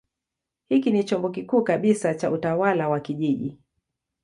Hiki ni chombo kikuu kabisa cha utawala wa kijiji.